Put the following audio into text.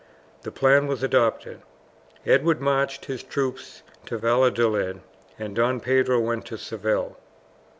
The plan was adopted. Edward marched his troops to Valladolid, and Don Pedro went to Seville.